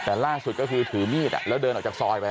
แต่ล่าสุดก็คือถือมีดแล้วเดินออกจากซอยไป